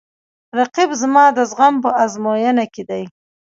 رقیب زما د زغم په ازموینه کې دی